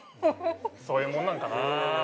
そういうもんなんかな。